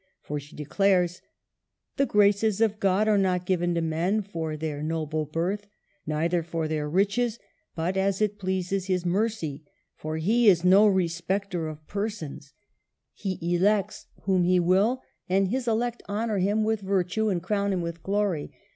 For she declares, —" The graces of God are not given to men for their noble birth, neither for their riches, but as it pleases His mercy ; for He is no respecter of persons, He 2l6 MARGARET OF ANGOUL^ME. elects whom He will ; and His elect honor Him with virtue and crown Him with glory.